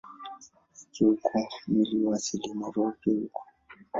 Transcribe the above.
Ikiwa uko mwili wa asili, na wa roho pia uko.